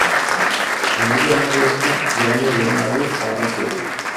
Anida en un hueco grande de un árbol o una cueva.